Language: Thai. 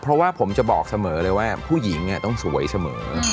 เพราะว่าผมจะบอกเสมอเลยว่าผู้หญิงต้องสวยเสมอ